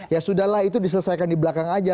ya sudah lah itu diselesaikan di belakang aja